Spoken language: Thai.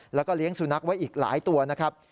แล้วก็เลี้ยงสุนัขไว้อีกหลายตัวนะครับ